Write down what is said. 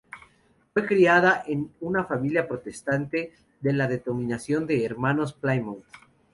Fue criada en una familia protestante de la denominación de Hermanos Plymouth.